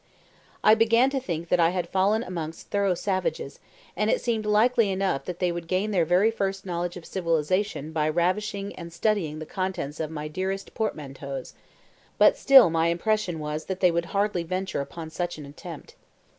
I began to think that I had fallen amongst thorough savages, and it seemed likely enough that they would gain their very first knowledge of civilisation by ravishing and studying the contents of my dearest portmanteaus, but still my impression was that they would hardly venture upon such an attempt.